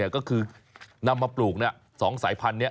ก็คือนำมาปลูก๒สายพันธุ์นี้